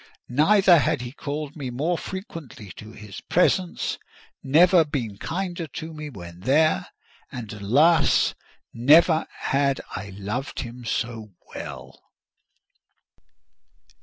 Never had he called me more frequently to his presence; never been kinder to me when there—and, alas! never had I loved him so well.